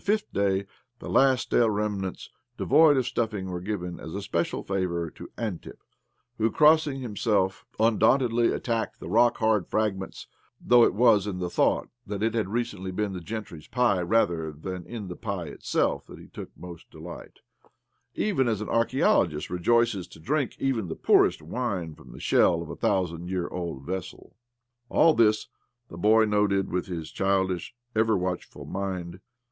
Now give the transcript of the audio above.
OBLOMOV 99 fifth iday^ the last stale remnants, devoid of stuffing, were given, as a special favour, to Antipi, who, crossing himself, iundauntedly attacked the rock hard fragments — though it was in the thought that it had recently been the gentry's pie rather than in the pie itself that he took most delight ; even as an archae ologist rejoices to drink even the poorest wine from the shell of a thousand year old vessel. AH this the boy noted with his childish, ever watchful mind.